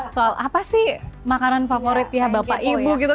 soal apa sih makanan favorit ya bapak ibu gitu